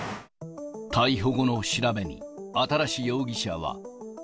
逮捕後の調べに、新容疑者は。